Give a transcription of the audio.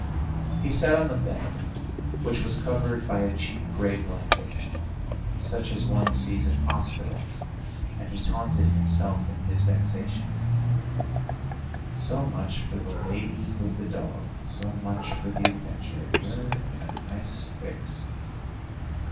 He sat on the bed, which was covered by a cheap grey blanket, such as one sees in hospitals, and he taunted himself in his vexation: "So much for the lady with the dog ... so much for the adventure.... You're in a nice fix...."